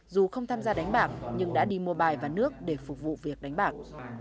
dù không tham gia đánh bạc nhưng đã đi mua bài và nước để phục vụ việc đánh bạc